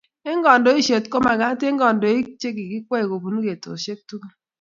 Eng' kandoiset ko magat eng' kandoik che kikwei kobunu kotushek tugul